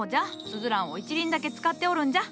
スズランを１輪だけ使っておるんじゃ。